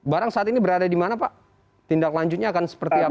barang saat ini berada di mana pak tindak lanjutnya akan seperti apa